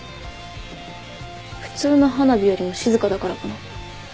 普通の花火よりも静かだからかな？